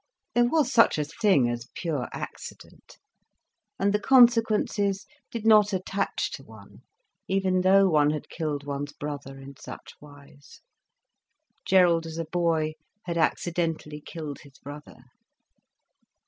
There was such a thing as pure accident, and the consequences did not attach to one, even though one had killed one's brother in such wise. Gerald as a boy had accidentally killed his brother.